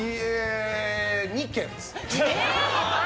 ２件です。